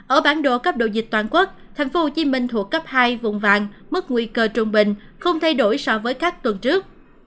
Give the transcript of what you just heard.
ở bản đồ cấp độ dịch toàn quốc thành phố hồ chí minh thuộc cấp hai vùng vàng mức nguy cơ trung bình không thay đổi so với các tuần trước